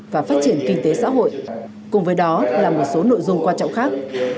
và phát triển kinh tế xã hội cùng với đó là một số nội dung quan trọng khác